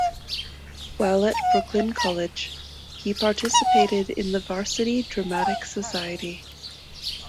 While at Brooklyn College, he participated in the Varsity Dramatic Society.